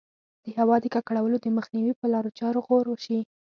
د هوا د ککړولو د مخنیوي په لارو چارو غور وشي.